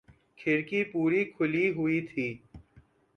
کھڑکی پوری کھلی ہوئی تھی